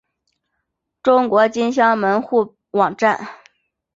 中国金乡门户网站